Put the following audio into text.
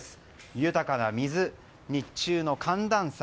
豊かな水、日中の寒暖差。